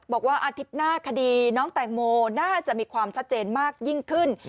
บอกว่าอาทิตย์หน้าคดีน้องแตงโมน่าจะมีความชัดเจนมากยิ่งขึ้น